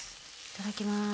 いただきます